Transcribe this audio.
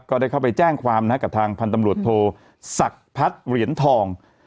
ก็ได้เข้าไปแจ้งความกับทางพันธ์ตำรวจโทศักดิ์พัฒน์เหรียญทอง